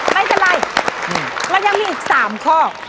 ไม่เป็นไรมันยังมีอีก๓ข้อ